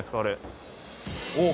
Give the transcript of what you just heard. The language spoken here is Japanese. おっ！